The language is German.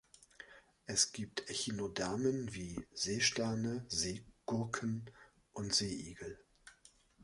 Es gibt Echinodermen wie Seesterne, Seegurken und Seeigel.